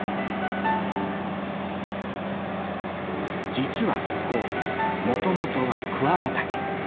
実はここもともとは桑畑。